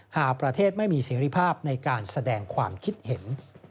หากประเทศไม่มีเสรีภาพในการแสดงความคิดเห็น